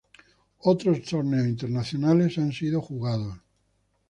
Otros torneos internacionales han sido jugados.